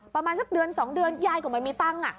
ประมาณสักเดือน๒เดือนยายก็ไม่มีตังค์